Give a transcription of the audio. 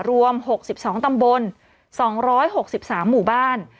รวม๖๒ตำบล๒๖๓หมู่บ้าน